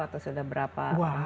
atau sudah berapa